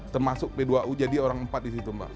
termasuk p dua u jadi orang empat di situ mbak